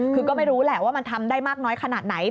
คือก็ไม่รู้แหละว่ามันทำได้มากน้อยขนาดไหน